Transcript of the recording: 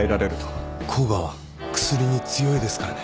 甲賀は薬に強いですからね。